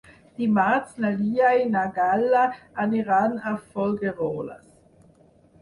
Dimarts na Lia i na Gal·la aniran a Folgueroles.